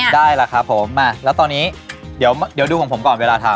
ได้ล่ะครับผมแล้วตอนนี้เดี๋ยวดูของผมก่อนเวลาทำ